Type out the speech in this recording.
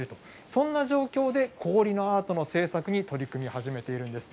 そんな状況で氷のアートの制作に取り組み始めているんです。